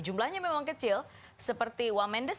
jumlahnya memang kecil seperti wamendes